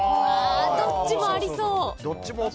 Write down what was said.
どっちもありそう。